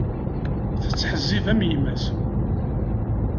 Tettḥezzib am yemma-s.